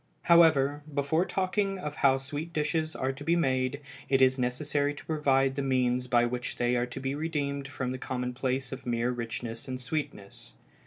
However, before talking of how sweet dishes are to be made it is necessary to provide the means by which they are to be redeemed from the commonplace of mere richness and sweetness.